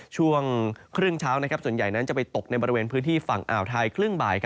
ช่วงครึ่งเช้าส่วนใหญ่นั้นจะไปตกในบริเวณพื้นที่ฝั่งอ่าวไทยครึ่งบ่าย